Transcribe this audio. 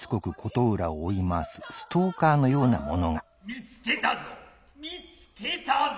見つけたぞ見つけたぞ。